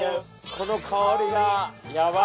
この香りがヤバい。